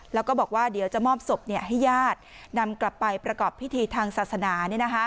แล้วก็บอกว่าเดี๋ยวจะมอบศพให้ญาตินำกลับไปประกอบพิธีทางศาสนา